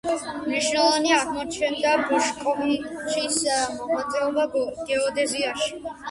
მნიშვნელოვანი აღმოჩნდა ბოშკოვიჩის მოღვაწეობა გეოდეზიაში.